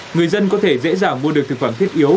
người dân có thể dễ dàng mua được thực phẩm thiết yếu